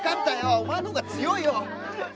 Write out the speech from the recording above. お前のほうが強いよ！